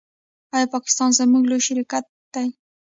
آیا پاکستان زموږ لوی شریک دی؟